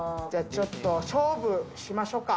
ちょっと勝負しましょうか。